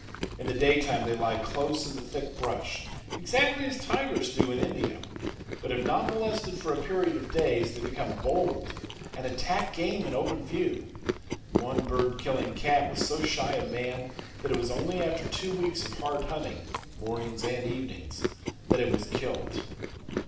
In the daytime they lie close in the thick brush, exactly as tigers do in India, but if not molested for a period of days, they become bold and attack game in open view. One bird killing cat was so shy of man that it was only after two weeks of hard hunting (mornings and evenings) that it was killed.